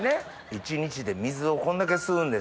一日で水をこんだけ吸うんですね。